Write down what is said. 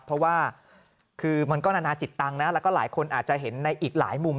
เพราะว่าคือมันก็นานาจิตตังค์นะแล้วก็หลายคนอาจจะเห็นในอีกหลายมุม